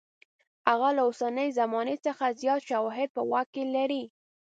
هغه له اوسنۍ زمانې څخه زیات شواهد په واک کې لري.